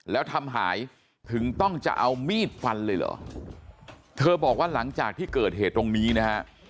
แล้วทำหายถึงต้องจะเอามีดฟันเลยเหรอเธอบอกว่าหลังจากที่เกิดเหตุตรงนี้นะฮะ